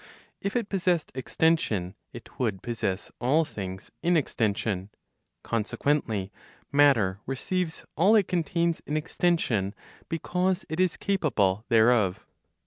If it possessed extension, it would possess all things in extension. Consequently matter receives all it contains in extension, because it is capable thereof.